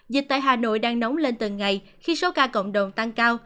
dịch tại hà nội đang nóng lên từng ngày khi số ca cộng đồng tăng cao